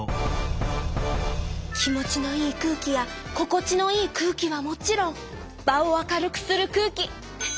気持ちのいい空気やここちのいい空気はもちろん場を明るくする空気！